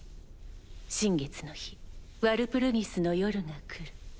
新月の日ワルプルギスの夜が来る。